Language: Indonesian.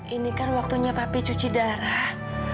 ini kan waktunya papi cuci darah